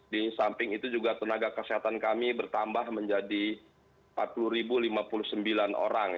di samping itu juga tenaga kesehatan kami bertambah menjadi empat puluh lima puluh sembilan orang